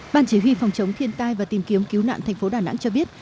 ban chỉ huy phòng chống thiên tai và tìm kiếm cứu nạn thành phố đà nẵng cho biết